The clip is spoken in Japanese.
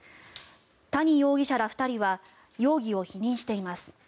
谷容疑者ら２人は容疑を否認しています。